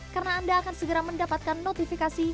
karena anda akan segera mendapatkan notifikasi